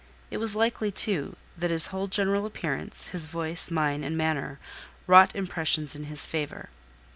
It was likely, too, that his whole general appearance, his voice, mien, and manner, wrought impressions in his favour.